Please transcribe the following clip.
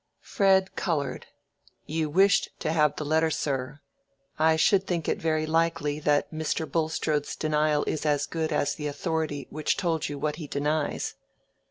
Fred colored. "You wished to have the letter, sir. I should think it very likely that Mr. Bulstrode's denial is as good as the authority which told you what he denies."